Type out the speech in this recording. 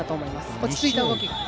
落ち着いた動きでした。